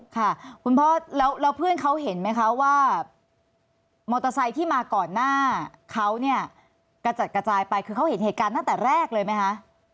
ค่ะคุณพ่อแล้วเพื่อนเขาเห็นไหมคะว่ามอเตอร์ไซค์ที่มาก่อนหน้าเขาเนี่ยกระจัดกระจายไปคือเขาเห็นเหตุการณ์ตั้งแต่แรกเลยไหมคะ